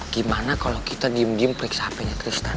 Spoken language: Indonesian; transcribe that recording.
gimana kalau kita diem diem periksa hp nya tuh stan